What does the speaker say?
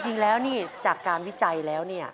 จริงแล้วนี่จากการวิจัยแล้วเนี่ย